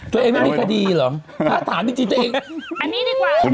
ตรงนี้ไม่มีคดีเหรอถ้าถามจิตนี่ตัวเอง